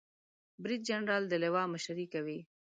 بریدجنرال د لوا مشري کوي